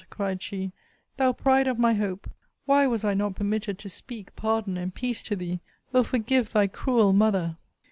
cried she; thou pride of my hope! Why was I not permitted to speak pardon and peace to thee! O forgive thy cruel mother!